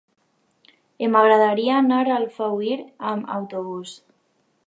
M'agradaria anar a Alfauir amb autobús.